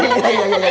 gak paham ya sam